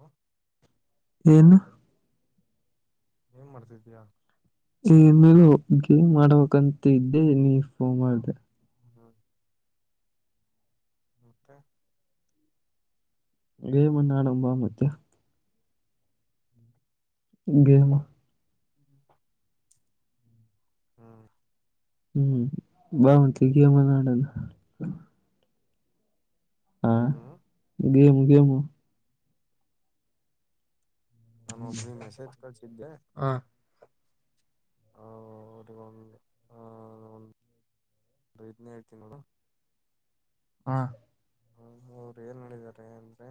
ಹ ಇನ್ ಏನ್ ಮಾಡ್ತಿದೀಯಾ ಏ ಮೇೂ ಗೇಮ್ ಮಾಡಬೇಕಂತ ಇದ್ದೆ ನೀ ಫೋನ್ ಮಾಡ್ದ ಹ್ಮ ಹಊಂತ ಗೇಮನ್ನ ಆಡಂಬ ಮತ್ತೆ ಗೇಮು ಹ್ಮ್ ಹ್ಮ್ ಹ್ಮ್ [unintelligible] ಹಾ ಹ್ಮ್ ಗೇಮು ಗೇಮು ನಾನು ಒಬ್ಬ್ರಿ ಮೆಸೇಜ್ ಕಳ್ಸಿದ್ದೆ ಹ ಅವರಿಗೊಂದು ಹ ಹ ಇದನ್ನೇ ಹೇಳ್ತೀನ ನೋಡ ಹಾ ಹ ಅವರು ಏನ್ ಹೇಳಿದ್ದಾರೆ ಅಂದ್ರೆ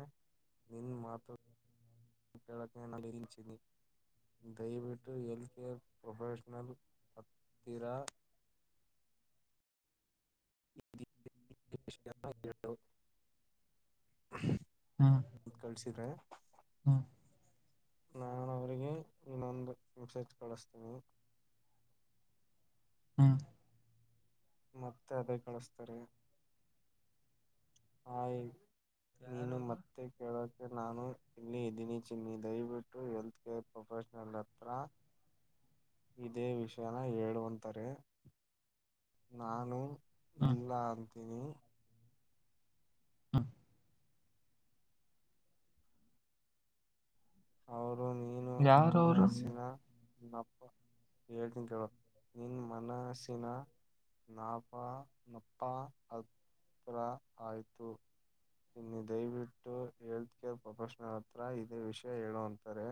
ನಿನ್ ಮಾತು [unintelligible] ದಯವಿಟ್ಟು ಹೆಲ್ತ್ ಕೇರ್ ಪ್ರೊಫೆಷನಲ್ ಹತ್ತಿರಾ [inaudible] ಎಪ್ಪತ್ತೆಂಟು [unintelligible] ಕಳಿಸಿದ್ರೆ ಹ್ಮ ನಾನ ಅವಿಗೆ ಇನ್ನೊಂದು ನಿಮಷ ಕಳಸ್ತೀನಿ ಹಾ ಮತ್ತೆ ಅದೇ ಕಳಸ್ತಾರೆ ಆಯ್ ನೀನು ಯಾರವರು ಮತ್ತೆ ಕೇಳಕ್ ನಾನು ಇಲ್ಲಿ ದಿನಿಚಿನ್ನ ದಯವಿಟ್ಟು ಹೆಲ್ತ್ ಕೇರ್ ಪ್ರೊಫೆಷನಲ್ ಹತ್ರ ಇದೇ ವಿಷಯನ ಹೇಳುವಂತಾರೆ ನಾನು ಹ್ಮ್ ಇಲ್ಲ ಅಂತೀನಿ ಹಾ ಅವೌರು ನೀನ್ ಯಾರ ಅವರು ಅಪ್ಪ ಹೇಳ್ತನ್ ಕೇಳ ನಿನ್ ಮನಸಿನ ನಾಪ ನಪ್ಪ ಹತ್ತರ ಆಯ್ತು ಇನ್ನು ದಯವಿಟ್ಟು ಹೆಲ್ತ್ ಕೇರ್ ಪ್ರೊಫೆಷನಲ್ ಹತ್ರ ಇದೇ ವಿಷಯ ಹೇಳೋ ಅಂತಾರೆ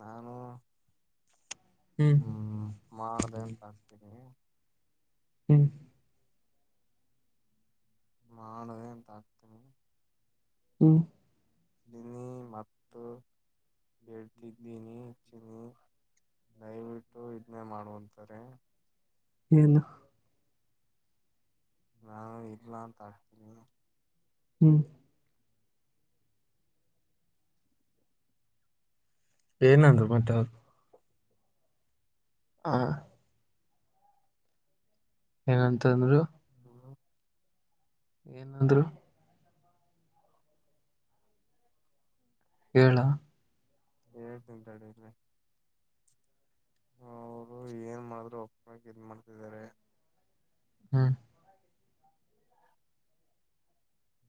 ನಾನು ಹ್ಮ್ ಮಾಡ್ದ ಅಂತ ಆಗ್ತೀನಿ ಹ್ಮ್ ಮಾಡದೆ ಅಂತ ಆಗ್ತೀನಿ ಹ್ಮ ಚಿನಿ ಮತ್ತು ಹೇಳ್ತಿದ್ದೀನಿ ಚಿನಿ ದಯವಿಟ್ಟು ಇದನ್ನೇ ಮಾಡುವಂತಾರೆ ಏನು ನಾನು ಇಲ್ಲಾ [unintelligible] ಹ್ಮ್ ಏನಂದ್ರು ಮತ್ತೆದು ಹಾ ಏನಂತ ಅಂದರು ಏನಂದ್ರು ಏಳ ಹೇಳ್ತಿನ್ ತಡಿರಿ ಅವರು ಏನ್ ಮಾಡ್ರರು ಒಪ್ಪಕ ಇದ ಮಾಡ್ತಿದ್ದಾರೆ ಹ್ಮ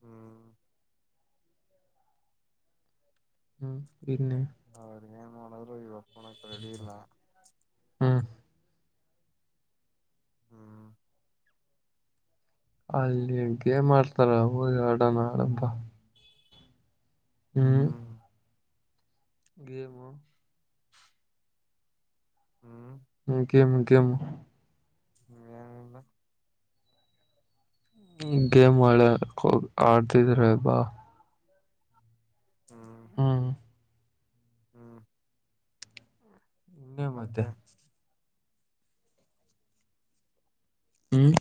ಹ್ಮ ಹ್ಮ್ ಇನ್ನೆ ಅವ್ರ ಏನ್ ಮಾಡಿದ್ರು ಒಪ್ಕೋಳಕ್ಕೆ ರೆಡಿ ಇಲ್ಲ ಹ್ಮ್ ಹ್ಮ ಅಲ್ಲಿನ್ ಗೇಮ್ ಆಡಸ್ತಾರೆ ಹೋಗಿ ಆಡೋಣ ಬಾ ಹ್ಮ್ ಗಮು ಹ್ಮ್ ಹ್ಮ್ ಕೆಮ ಗಮು ಹ್ಮ್ ನುಲ್ಲ [unintelligible] ಗೇಮ್ ಮಳೆ ಹೋಗ ಆಡ್ತಿದ್ರ ಬಾ ಹ್ಮ್ ಹ್ಮ ಹ್ಮ್ ಇನ್ನೆ ಮತ್ತೆ ಹ್ಮ್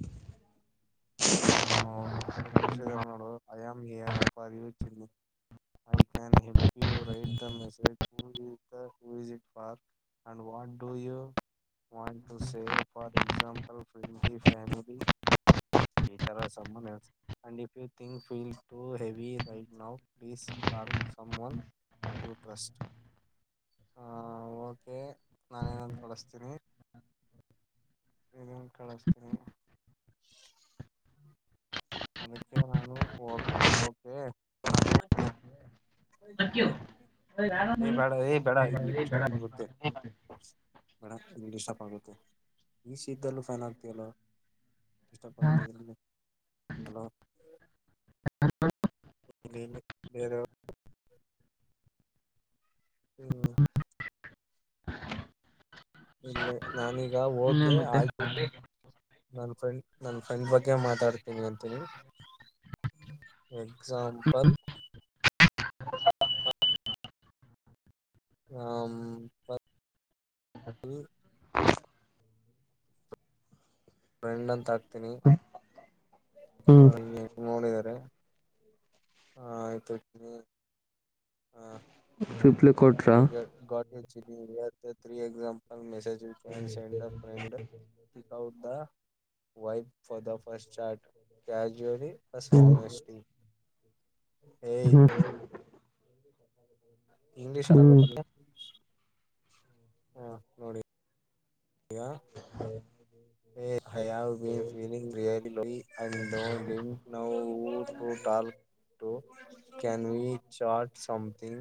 ಆ ಮ ಕರ್ಷಿತನಗಳು ಅಯಾಮರ್ ಪರಿವ ಚಿ I can help you write the message who is the who is it park and what do you want to say for example ಫ್ರಲಿ family ಡ್ ಇ್ ಕ್ ಫೀಲ್ ಟ ಹೆವಿ ರೈಡ್ ನ ಪ್ಲೀಸ್ ಕಲ್ [unintelligible] ಸಮನ್ ಯೂ ಟ್ರಸ್ಟ್ ಹ okay ನಾನೇನಂದು ಕೊಳಿಸ್ತೀನಿ ಇದನ್ ಕಳಿಸ್ತೀನಿ ಅದಕ್ಕೆ ನಾನು ಓಕೆ ಜ ಏ್ ಬೇಡ ಏ್ ಬೇಡ ಇಂಗ್ ಡಿಸ್ಟಪ್ ಆಗುತ್ತೆ ಬೇಡ ಇಂಗ್ ಆಗುತ್ತ ಈ ಸಿ ಇದ್ದಲ್ಲೂ ಫ್ಯಾನ್ ಆಗ್ತಲ್ಲ ಇಪ್ ಆಗುತ್ತೆ ಇದರಲ್ಲಿ ಹಲೋ ಹ ಬೇರ ಹ್ಮ್ ಇಲ್ಲ ನಾನೀಗ ಹ್ಮ ಹೋಗೆ ಮತ್ತೆ ಆಯ್ತು ನನ್ ಫ್ರೆಂಡ್ ನನ್ ಫ್ರೆಂಡ್ ಬಗ್ಗೆ ಮಾತಾಡ್ತೀನಿ ಅಂತನಿ ಎಕ್ಸಂಪಲ್ ಹ ಫ್ರೆಂಡ್ ಅಂತ ಹಾಕ್ತೀನಿ ಹ್ಮ್ ಸರಿ ನೋಡಿದಿದ್ದಾರೆ ಹಾ ಆಯ್ತಯ್ತನಿ ರಿಪ್ಲ ಕೋಟ್ರ ಇಲ್ಲಿಗೆ ಗಾಟ್ ತ್ರೀ ಎಕ್ಸಾಮಂಪಲ್ ಮೆಸೇಜ್ ಚ ಸೇ ಪಂಡ ಕ wipe for the first chart casually us hmm ಹನಸ್ಟಿ hmm ಹ ಇಂಗ್ಲಿಷ್ ಆಗತ್ತ ನಿಂಗೆ ಹಾ ನೋಡಿ ಯ ಹ್ಮ I have been feeling really I didn't know to call can you chat something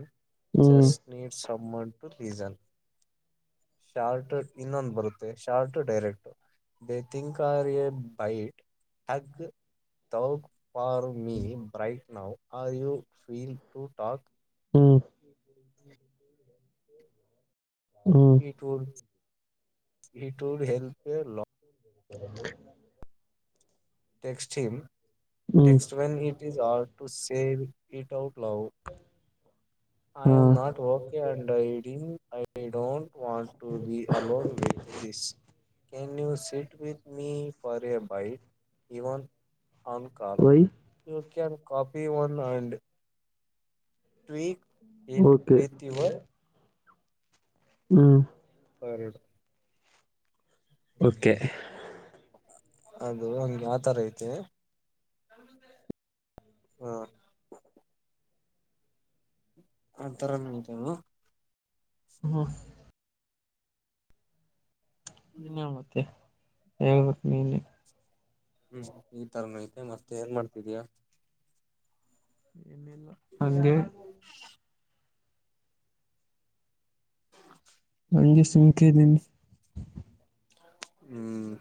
hmm ಜಸ್ನರ್ ಸಮನ್ಟು ಲೀಜನ್ ಶಾರ್ಟ ಇನ್ನೊಂದು ಬರುತ್ತೆ ಶಾರ್ಟ್ ಡೈರೆಕ್ಟ್ ಬೇ ತಿಂಗ ಕ ಯ byte hug ತೌಕ್ for me bright now are you feel to talk ಹಾ it ಇಟರ್ ಹಲ್ಪೆ ಲ hmm ಟೆಕ್ಸ್ಟೀಮ hmm text when it is all to save it out love I ಹಾ ಆ not okay and hiding I don't want to be alone with this can you sit with me for a byte even on call why you can copy one and tweak ಇಂಡ okay with your hmm add okay ಅದು ಒಂದ್ಗೆ ಯಾವತರ ಐತೆ ಹ್ಮ ಅತರ.. ಹ್ಮ ಇಹ್ಮ್ಮ್ಮ್ ಮತ್ತೆ ಹೇಳ್ಬಟ್ಟ ನೀನೆ.. ಹ್ಮ್ ಈ ತರನ ಐತೆ ಮತ್ತೆ ಏನ್ ಮಾಡ್ತಿದಿಯಾ. ಏನಿಲ್ಲ ಹಂಗೆ [unintelligible] ನಂಗೆ ಸುಮ್ಕೆ ಇದ್ದೀನಿ ಹ್ಮ್.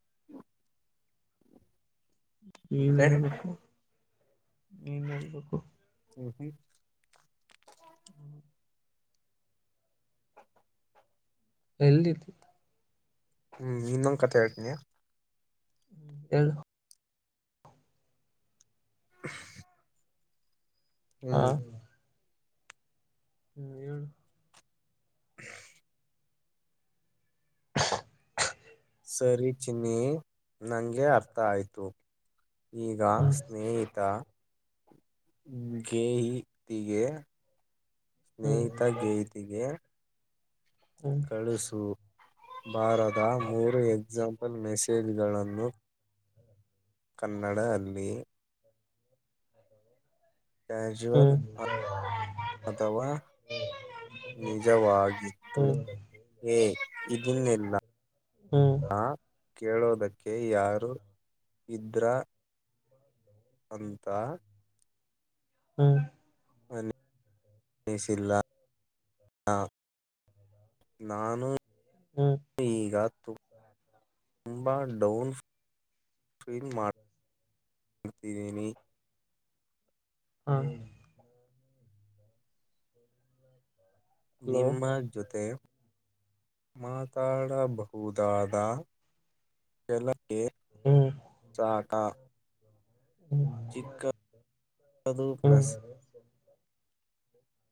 [inaudible] ನೀನು ಮತ್ತೆ ಹೇಳಬೇಕು ನೀನು ಹೇಳಬೇಕು ಹಕ [inaudible] [inaudible] [unintelligible] ಎಲ್ದತ್ತು ಹ್ಮ್ ಇನ್ನೊಂದು ಕಥೆ ಹೇಳ್ತಿಯ ಹೇಳು. [unintelligible] ಹಾ ಹ್ಮ್ ಹ್ಮ್ ಹೇಳ [inaudible] ಸರಿ ಚಿನ್ನಿ ನನಗೆ ಅರ್ಥ ಆಯಿತು ಈಗ ಹ್ಮ್ ಸ್ನೇಹಿತ. [unintelligible] ಹ್ಮ್ ಸ್ನೇಹಿತ ಗೇಯತಿಗೆ ಹ್ಮ್ ಕಳುಸು. ಬಾರದ ಮೂರು ಎಕ್ಸಾಂಪಲ್ ಮೆಸೇಜ್ಗಳನ್ನು. ಕನ್ನಡ [unintelligible] ಕ್ಯಝುವಲ್ ಹ್ಮ್ ಅ ಅಥವಾ. ನಿಜವಾಗಿತ್ತು ಹ್ಮ್ ಏ ಇದನ್ನಿಲ್ಲ. ಹ್ಮ. ಕೇಳೋದಕ್ಕೆ ಯಾರು ಇದ್ರಾ. ಅಂತಾ. ಹ್ಮ್. ಅಿಸಿಲ್ಲ ಹ. [inaudible] ನಾನು. ಹ್ಮ. ಈಗ ತುಂಬಾ ಡೌನ್ಸ [unintelligible] ಹಾ. ಹಲೋ ನಿಮ್ಮ ಜೊತೆ. ಮಾತಾಡಬಹುದಾದ ಕೆಲ ಗೆ ಹ್ಮ್ ಸಾಕಾ. ಹ್ಮ್ ಚಿಕ್ಕದು ಹ್ಮ್ ಪ್ಲಸ್. [inaudible]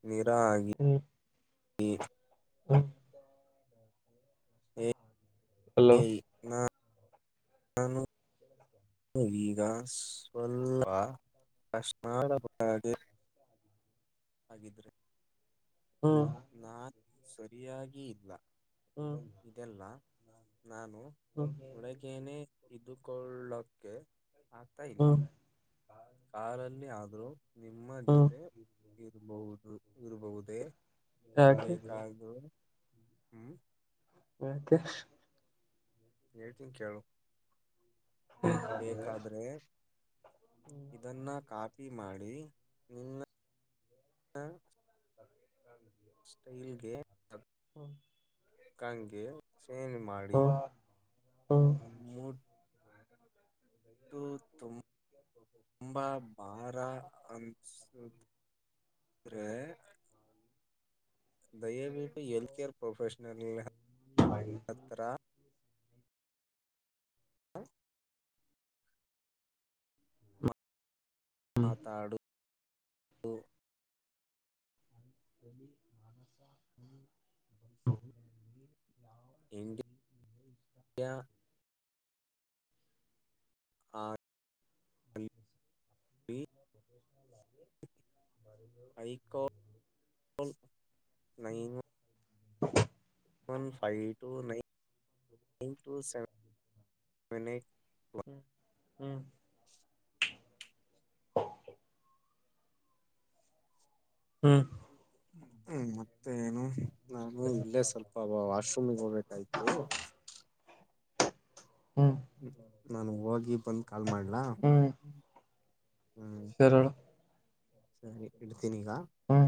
ನಿರಾಗಿ ಹ್ಮ್ ಗಿ. ಹ್ಮ್. ಹಲೋ ಏ ನಾ ನಾನು. [unintelligible] ಈಗ ಸ್ವಲ್ಪ ಕಶನಾಾಡ ಮಾಡಿ. ಹಾಗಿದ್ರೆ. ಹ್ಮ್. ಸರಿಯಾಗಿ ಹ್ಮ್ ಇದೆಲ್ಲ. ನಾನು ಹ್ಮ್ ಒಳಗೇನೆೇ ಇದುಕೊಳ್ಳಕ್ಕೆ. ಆಗ್ತಾ ಇಲ್ಲ ಹ್ಮ್ ಕಾರಲ್ಲಿ ಆದ್ರೂ ನಿಮ್ಮ ಹ್ಮ್ ಜೊತೆ ಇರಬಹುದು ಇರಬಹುದೇ ಯಾಕೆ ಬೇಕಾದ ಹ್ಮ್ ಮತೆ ಹೇಳ್ತೀನ್ ಕೇಳು ಬೇಕಾದ್ರೆ ಹ್ಮ್ ಇದನ್ನ ಕಾಪಿ ಮಾಡಿ ನಿನ್ನ ಸ್ಟೈಲ್ಗೆ ಹ್ಮ ಕಂ [unintelligible] ಚೇಂಜ್ ಮಾಡಿ ಹ ಮೂಡ್ ತು ತುಂಬಾ ಭಾರ ಅನ್ಸುದು [unintelligible] ದಯವಿಟ್ಟು ಹೆಲ್ತ್ ಕೇರ್ ಪ್ರೊಫೆಷನಲ್ ಹತ್ರ ಹ ಮಾತಾಡು [unintelligible] India [unintelligible] [unintelligible] ಐಕೋ nine one [unintelligible] one five two nine nine two seven eight one ಹ್ಮ್ ಹ್ಮ್ ಹ್ಮ್ ಮತ್ತೆ ಎನು ನಾನ್ ಹ್ಮ ಇಲ್ಲೇ ಸ್ವಲ್ಪ ವಾಶ್ರೂಮಿಗೆ ಹೋಗ್ಬೇಕಾಯ್ತು ಹ್ಮ್ ನಾನು ಹೋಗಿ ಬಂದು ಕಾಲ್ ಮಾಡ್ಲಾ. ಹ್ಮ್ ಹ್ಮ್ [unintelligible] ಸರಿ ಇಡ್ತೀನಿಗಾ. ಹ್ಮ್